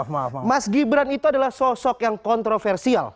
mas gibran itu adalah sosok yang kontroversial